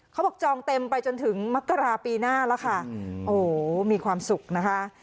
จองเต็มไปจนถึงมกราปีหน้าแล้วค่ะโอ้โหมีความสุขนะคะ